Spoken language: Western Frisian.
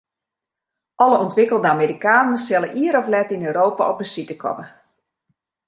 Alle ûntwikkele Amerikanen sille ier of let yn Europa op besite komme.